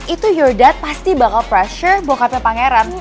itu your dad pasti bakal pressure bokapnya pangeran